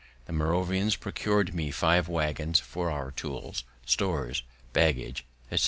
The Moravians procur'd me five waggons for our tools, stores, baggage, etc.